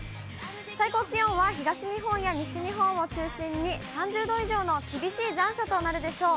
最高気温は東日本や西日本を中心に、３０度以上の厳しい残暑となるでしょう。